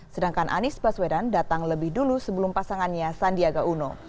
sedangkan anies baswedan datang lebih dulu sebelum pasangannya sandiaga uno